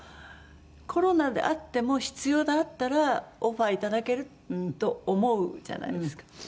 「コロナであっても必要だったらオファーいただけると思うじゃないですか」